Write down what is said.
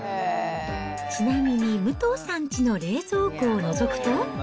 ちなみに武藤さんちの冷蔵庫をのぞくと。